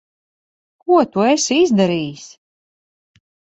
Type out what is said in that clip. Ko tu esi izdarījis?